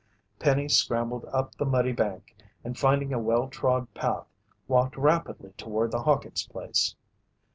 Penny scrambled up the muddy bank, and finding a well trod path, walked rapidly toward the Hawkins' place.